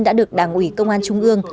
đã được đảng ủy công an trung ương